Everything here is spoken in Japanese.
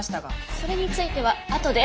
それについてはあとで。